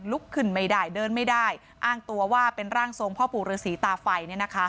ลุกขึ้นไม่ได้เดินไม่ได้อ้างตัวว่าเป็นร่างทรงพ่อปู่ฤษีตาไฟ